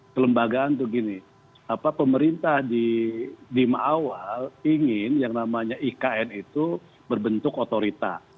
kelembagaan itu gini pemerintah di dim awal ingin yang namanya ikn itu berbentuk otorita